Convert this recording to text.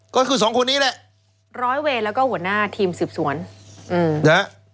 ก็คือสองคนนี้แหละร้อยเวรแล้วก็หัวหน้าทีมสืบสวนอืมนะฮะ